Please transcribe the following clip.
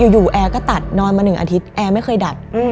แอร์ก็ตัดนอนมา๑อาทิตย์แอร์ไม่เคยดับ